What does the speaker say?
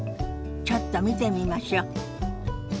ちょっと見てみましょ。